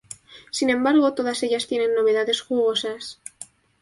Sin embargo, todas ellas tienen novedades jugosas.